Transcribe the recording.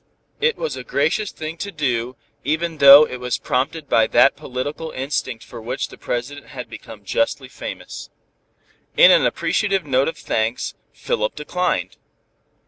It was a gracious thing to do, even though it was prompted by that political instinct for which the President had become justly famous. In an appreciative note of thanks, Philip declined.